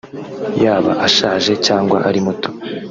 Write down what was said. yaba ashaje cyangwa ari muto